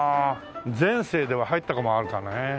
前世では入ったかもあるかね。